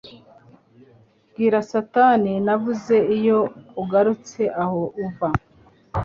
Bwira satani navuze iyo ugarutse aho uva